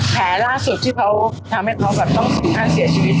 แผลล่าสุดที่ทำให้เขาต้องสินค่าเสียชีวิต